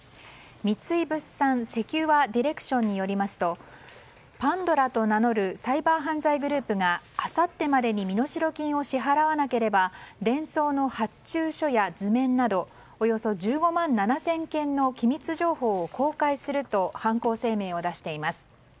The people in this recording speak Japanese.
三井物産セキュアディレクションによりますとＰａｎｄｏｒａと名乗るサイバー犯罪グループがあさってまでに身代金を支払わなければデンソーの発注書や図面などおよそ１５万７０００件の機密情報を公開すると犯行声明を出しています。